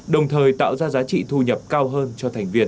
đồng thời tạo ra giá trị thu nhập cao hơn cho thành viên